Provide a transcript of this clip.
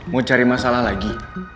mau cari masalah lagi